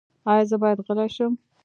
ایا زه باید غلی شم؟